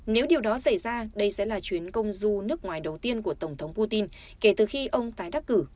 nếu điều đó xảy ra đây sẽ là chuyến công du nước ngoài đầu tiên của tổng thống putin kể từ khi ông tái đắc cử